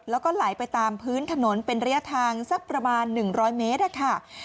แล้วก็ไหลไปตามพื้นถนนเป็นระยะทางสักประมาณ๑๐๐เมตรค่ะ